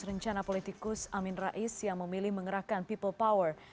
rencana politikus amin rais yang memilih mengerahkan people power